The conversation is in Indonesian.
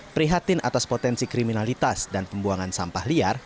prihatin atas potensi kriminalitas dan pembuangan sampah liar